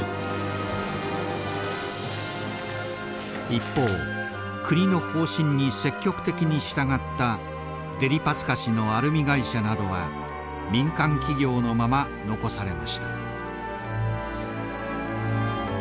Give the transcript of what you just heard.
一方国の方針に積極的に従ったデリパスカ氏のアルミ会社などは民間企業のまま残されました。